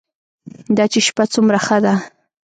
دا چې شپه څومره ښه ده.